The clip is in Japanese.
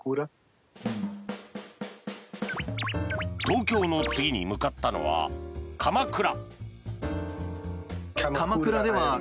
東京の次に向かったのは鎌倉。